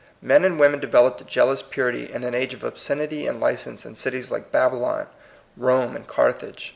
Men and women developed a jealous purity in an age of obscenity and license in cities like Babylon, Rome, and Carthage.